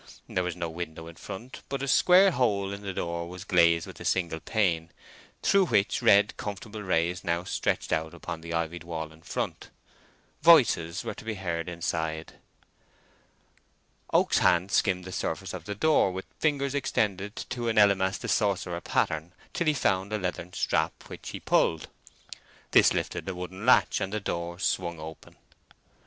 There was no window in front; but a square hole in the door was glazed with a single pane, through which red, comfortable rays now stretched out upon the ivied wall in front. Voices were to be heard inside. Oak's hand skimmed the surface of the door with fingers extended to an Elymas the Sorcerer pattern, till he found a leathern strap, which he pulled. This lifted a wooden latch, and the door swung open.